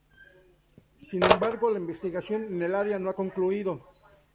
Sin embargo, la investigación en el área no ha concluido.